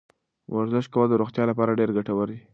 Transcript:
ورزش کول د روغتیا لپاره ډېر ګټور دی.